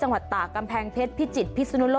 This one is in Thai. ฮัลโหลฮัลโหลฮัลโหล